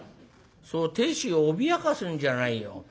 そう亭主を脅かすんじゃないよ。